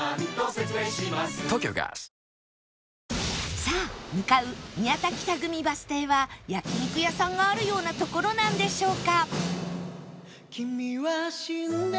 さあ向かう宮田北組バス停は焼肉屋さんがあるような所なんでしょうか？